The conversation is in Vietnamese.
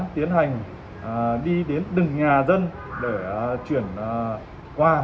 đleri đến đừng nhà dân để chuyển qua